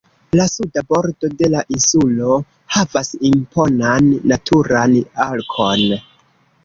La suda bordo de la insulo havas imponan naturan arkon.